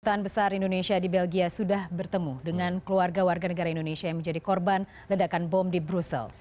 kedutaan besar indonesia di belgia sudah bertemu dengan keluarga warga negara indonesia yang menjadi korban ledakan bom di brussel